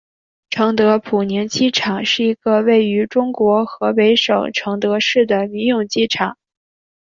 承德普宁机场是一个位于中国河北省承德市的民用机场。